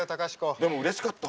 でもうれしかった。